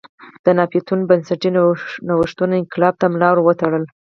د ناتوفیانو بنسټي نوښتونو انقلاب ته ملا ور وتړله